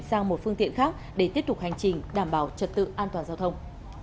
sang một phương tiện khác để tiếp tục hành trình đảm bảo trật tự an toàn giao thông